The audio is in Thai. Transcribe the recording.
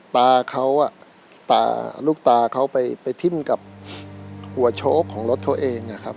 แต่ลูกตาเขาไปทิ่มกับหัวโช๊ะของรถเขาเอง